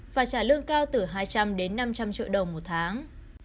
và trả lương cao từ hai trăm linh đến năm trăm linh triệu đồng một tháng